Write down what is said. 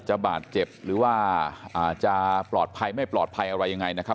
บาดเจ็บหรือว่าจะปลอดภัยไม่ปลอดภัยอะไรยังไงนะครับ